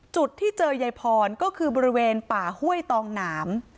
จุดที่เจอยายพรก็คือบริเวณป่าห้วยตองหนาม